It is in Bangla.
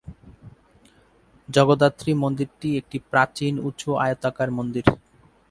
জগদ্ধাত্রী মন্দিরটি একটি প্রাচীন উঁচু আয়তাকার মন্দির।